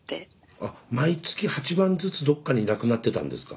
あっ毎月８万ずつどっかになくなってたんですか。